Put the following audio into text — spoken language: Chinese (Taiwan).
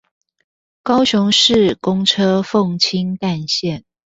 高雄市公車鳳青幹線